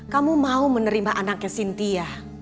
kamu mau menerima anaknya sintia